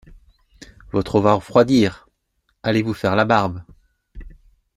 Votre eau va refroidir… allez vous faire la barbe.